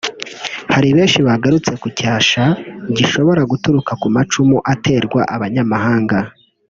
Hari benshi bagarutse ku cyasha gishobora guturuka ku macumu aterwa n’abanyamahanga